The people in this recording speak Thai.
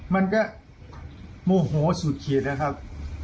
มันก็โมโหสุดขีดนะครับ